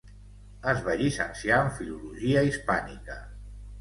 Es va llicenciar en Filologia Hispànica.